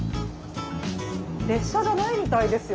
列車じゃないみたいですよね。